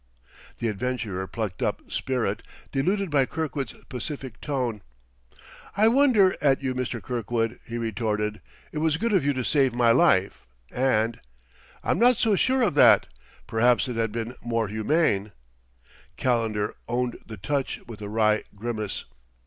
The adventurer plucked up spirit, deluded by Kirkwood's pacific tone. "I wonder at you, Mr. Kirkwood," he retorted. "It was good of you to save my life and " "I'm not so sure of that! Perhaps it had been more humane " Calendar owned the touch with a wry grimace.